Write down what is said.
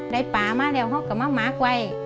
ใดป่ามาแล้วเขาก็มามาร์คไว้